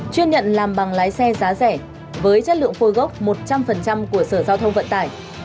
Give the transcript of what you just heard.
chuyên nhận làm bằng lái xe giá rẻ với chất lượng phôi gốc một trăm linh của sở giao thông vận tải